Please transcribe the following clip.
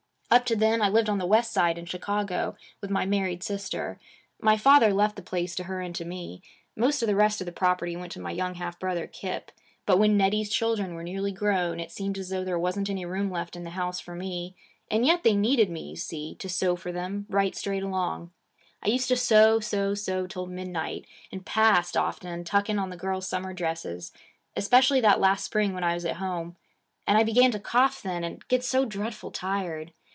'Up to then, I lived on the West Side, in Chicago, with my married sister. My father left the place to her and to me. Most of the rest of the property went to my young half brother Kip. But when Nettie's children were nearly grown, it seemed as though there wasn't any room left in the house for me; and yet they needed me, you see, to sew for them, right straight along. I used to sew, sew, sew till midnight and past, often, tucking on the girls' summer dresses, especially that last spring when I was at home; and I began to cough then and get so dreadful tired.